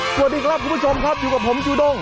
สวัสดีครับคุณผู้ชมครับอยู่กับผมจูด้ง